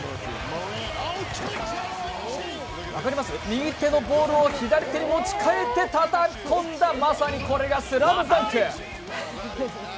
右手のボールを左手に持ち替えてたたき込んだ、まさにこれがスラムダンク。